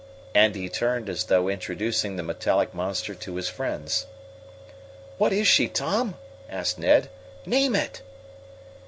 And he turned as though introducing the metallic monster to his friends. "What is she, Tom?" asked Ned. "Name it!"